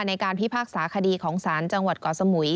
ในการพิพากษาคดีของศาลจังหวัดเกาะสมุย